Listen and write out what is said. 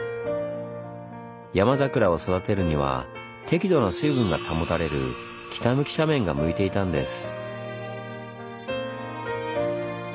ヤマザクラを育てるには適度な水分が保たれる北向き斜面が向いていたんです。